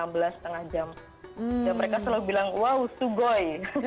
dan mereka selalu bilang wow sugoi